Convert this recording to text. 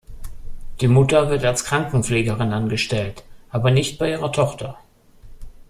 Die Mutter wird als Krankenpflegerin angestellt, aber nicht bei ihrer Tochter.